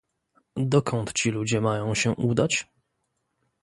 Dokąd ci ludzie mają się udać?